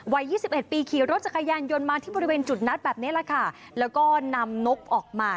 วัย๒๑ปีขี่รถจักรยานยนต์มาที่บริเวณจุดนัดแบบนี้แล้วก็นำนกออกมา